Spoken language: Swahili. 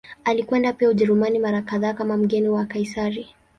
Alikwenda pia Ujerumani mara kadhaa kama mgeni wa Kaisari.